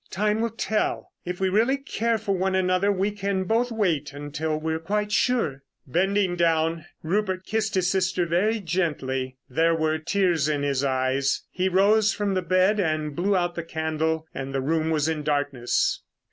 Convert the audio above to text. "Time will tell. If we really care for one another we can both wait until we're quite sure." Bending down Rupert kissed his sister very gently. There were tears in his eyes. He rose from the bed and blew out the candle and the room was in darkness.